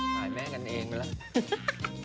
ถ่ายแม่กันเองไปแล้ว